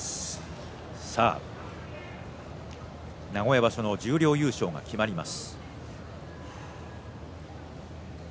名古屋場所の十両優勝が決まります。